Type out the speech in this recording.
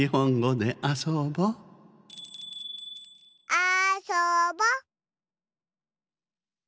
あそぼ。